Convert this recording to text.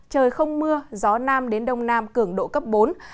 trời không mưa gió nam đến đông nam cường độ cấp bốn